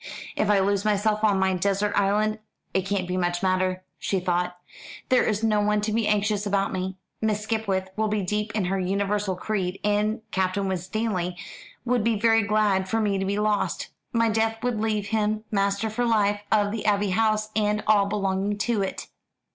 "If I lose myself on my desert island it can't much matter," she thought. "There is no one to be anxious about me. Miss Skipwith will be deep in her universal creed, and Captain Winstanley would be very glad for me to be lost. My death would leave him master for life of the Abbey House and all belonging to it."